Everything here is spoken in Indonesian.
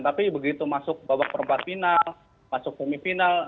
tapi begitu masuk babak perempat final masuk semifinal